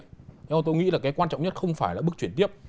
nhưng tôi nghĩ là cái quan trọng nhất không phải là bước chuyển tiếp